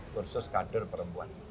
kursus kader perempuan